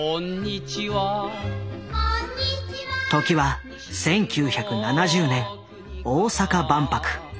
時は１９７０年大阪万博。